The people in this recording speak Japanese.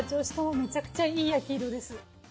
しかもめちゃくちゃいい焼き色です。